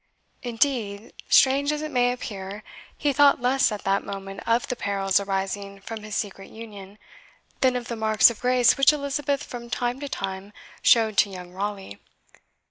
Indeed, strange as it may appear, he thought less at that moment of the perils arising from his secret union, than of the marks of grace which Elizabeth from time to time showed to young Raleigh.